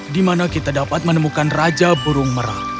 di mana kita dapat menemukan raja burung merah